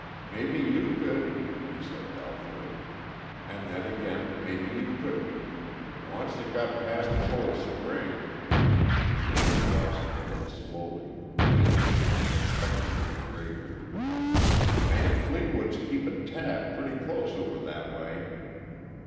"Mebbe you could," he said doubtfully. "And then again, mebbe you couldn't. Oncet it got past Cold Spring " He shook his wizened head slowly, leaned, and expectorated gravely. "Man Fleetwood's keeping tab pretty close over that way."